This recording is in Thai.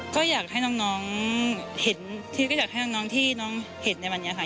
ก็อยากให้น้องเห็นที่ก็อยากให้น้องที่น้องเห็นในวันนี้ค่ะ